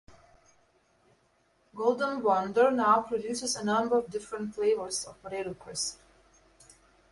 Golden Wonder now produces a number of different flavours of potato crisp.